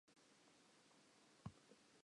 Hobaneng ho setse tse mmalwa tjena?